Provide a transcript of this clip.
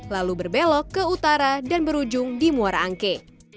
lalu berbelok ke utara dan berujung di muara angke